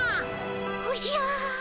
おじゃあ。